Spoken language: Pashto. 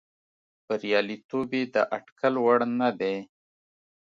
بریالیتوب یې د اټکل وړ نه دی.